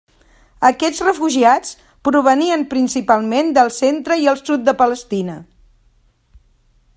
Aquests refugiats provenien principalment del centre i el sud de Palestina.